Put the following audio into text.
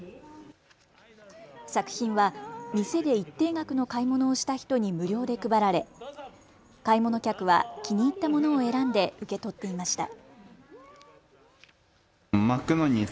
作品は店で一定額の買い物をした人に無料で配られ買い物客は気に入ったものを選んで受け取っていました。